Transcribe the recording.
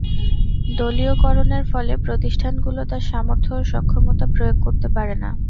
দলীয়করণের ফলে প্রতিষ্ঠানগুলো তার সামর্থ্য ও সক্ষমতা প্রয়োগ করতে পারে না।